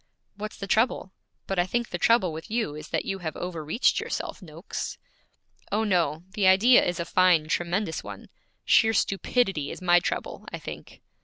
'What's the trouble? But I think the trouble with you is that you have overreached yourself, Noakes.' 'Oh, no; the idea is a fine, tremendous one. Sheer stupidity is my trouble, I think.'